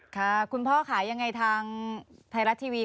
ค่ะคุณพ่อค่ะยังไงทางไทยรัฐทีวี